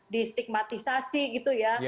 distigmatisasi gitu ya